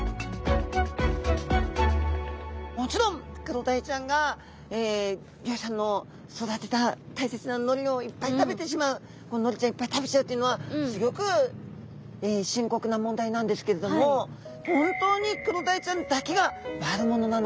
もちろんクロダイちゃんが漁師さんの育てた大切なのりをいっぱい食べてしまうのりちゃんいっぱい食べちゃうというのはすギョく深刻な問題なんですけれども確かに。